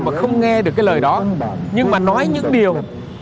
mà không nghe được cái lời đó nhưng mà nói những điều